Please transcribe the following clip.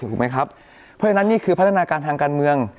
ถูกไหมครับเพราะฉะนั้นนี่คือพัฒนาการทางการเมือง